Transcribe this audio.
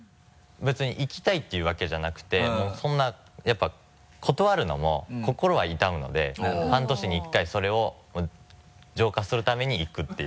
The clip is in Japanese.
別に行きたいっていうわけじゃなくてもうそんなやっぱ断るのも心は痛むので半年に１回それを浄化するために行くっていう。